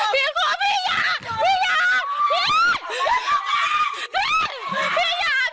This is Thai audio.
พี่ขอพี่พี่ผมหนูขอ